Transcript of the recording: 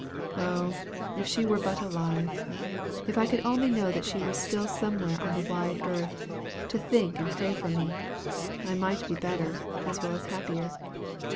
Oh! if she were but alive if I could only know that she was still somewhere on the wide earth, to think and pray for me I might be better, as well as happier.